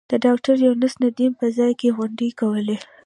د ډاکټر یونس ندیم په ځای کې غونډې کولې.